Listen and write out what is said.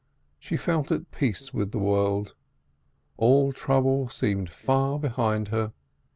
She felt at peace with the world. All trouble seemed far behind her.